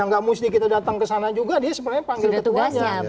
yang gak mesti kita datang kesana juga dia sebenarnya panggil petugasnya